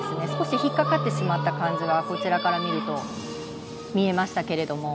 少し引っかかってしまった感じがこちらから見ると見えましたが。